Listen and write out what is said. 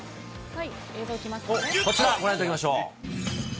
こちら、ご覧いただきましょう。